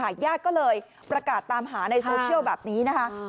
ญาติก็เลยประกาศตามหาในโซเชียลแบบนี้นะคะ